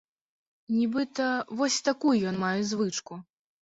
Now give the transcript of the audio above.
Нібыта, вось такую ён мае звычку!